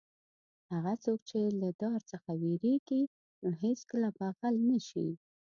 هغه څوک چې له دار څخه وېرېږي نو هېڅکله به غل نه شي.